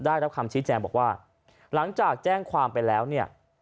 ได้รับคำชี้แจงบอกว่าหลังจากแจ้งความไปแล้วเนี่ย